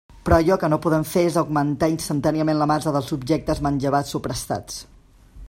Però allò que no poden fer és augmentar instantàniament la massa dels objectes manllevats o prestats.